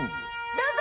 どうぞ！